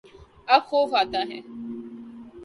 اب خوف آتا ہے